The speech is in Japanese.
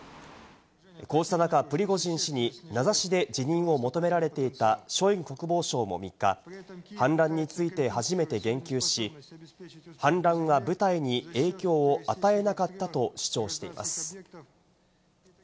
こうした中、プリゴジン氏に名指しで辞任を求められていたショイグ国防相も３日、反乱について初めて言及し、反乱が部隊に影響を与えなかったと主張しています。